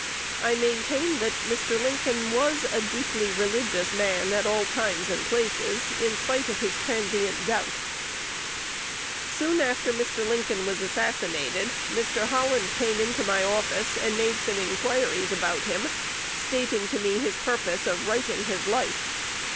I maintain that Mr. Lincoln was a deeply religious man at all times and places, in spite of his transient doubts. Soon after Mr. Lincoln was assassinated, Mr. Holland came into my office, and made some inquiries about him, stating to me his purpose of writing his life.